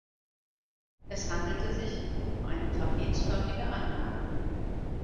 Es handelte sich um eine trapezförmige Anlage.